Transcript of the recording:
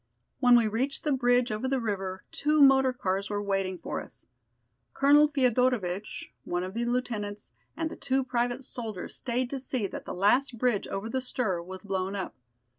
When we reached the bridge over the river two motor cars were waiting for us. Colonel Feodorovitch, one of the lieutenants and the two private soldiers stayed to see that the last bridge over the Styr was blown up.